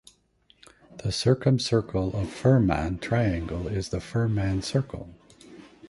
The circumcircle of Fuhrmann triangle is the Fuhrmann circle.